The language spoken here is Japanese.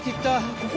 ここ？